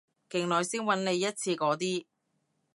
勁耐先搵你一次嗰啲